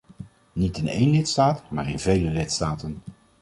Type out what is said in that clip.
Niet in één lidstaat maar in vele lidstaten.